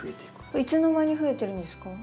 これいつの間に増えてるんですか？